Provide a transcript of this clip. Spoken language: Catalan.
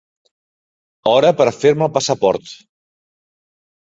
Hora per fer-me el passaport.